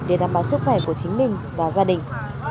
để đảm bảo sức khỏe của chính mình và gia đình